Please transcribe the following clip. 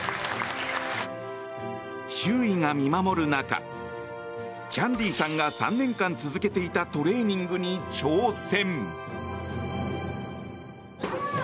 周囲が見守る中チャンディさんが３年間続けていたトレーニングに挑戦。